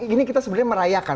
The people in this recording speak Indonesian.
ini kita sebenarnya merayakan